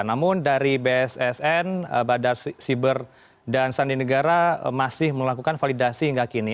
namun dari bssn badar siber dan sandi negara masih melakukan validasi hingga kini